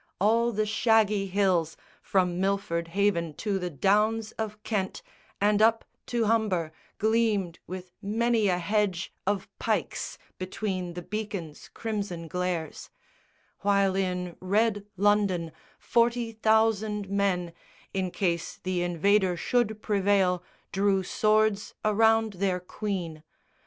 All the shaggy hills From Milford Haven to the Downs of Kent, And up to Humber, gleamed with many a hedge Of pikes between the beacon's crimson glares; While in red London forty thousand men, In case the Invader should prevail, drew swords Around their Queen.